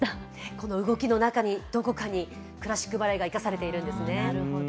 この動きの中に、どこかにクラシックバレエが生かされているんですね。